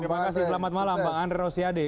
terima kasih selamat malam bang andre rosiade